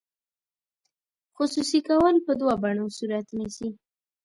خصوصي کول په دوه بڼو صورت نیسي.